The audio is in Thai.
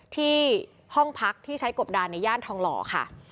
ที่ห้องพักที่ใช้กบดานในย่านทองหล่อค่ะ